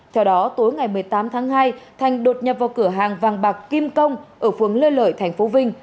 theo đó tối ngày một mươi tám tháng hai thành đột nhập vào cửa hàng vàng bạc kim công ở phường lê lợi tp vinh